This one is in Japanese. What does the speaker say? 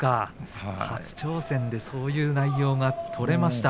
初挑戦で、そういう内容が取れました。